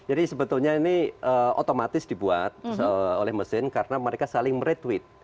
jadi sebetulnya ini otomatis dibuat oleh mesin karena mereka saling meretweet